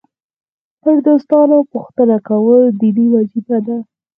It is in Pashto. پر دوستانو پوښتنه کول دیني وجیبه ده.